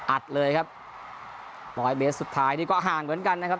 อัดเลยครับร้อยเมตรสุดท้ายนี่ก็ห่างเหมือนกันนะครับ